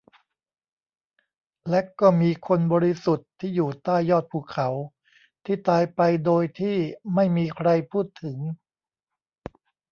และก็มีคนบริสุทธิ์ที่อยู่ใต้ยอดภูเขาที่ตายไปโดยที่ไม่มีใครพูดถึง